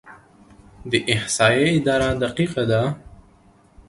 د احصایې اداره دقیقه ده؟